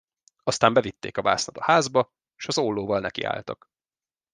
Aztán bevitték a vásznat a házba, s az ollóval nekiálltak.